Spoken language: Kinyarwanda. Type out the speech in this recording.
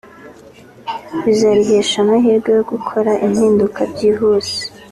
bizarihesha amahirwe yo gukora impinduka byihuse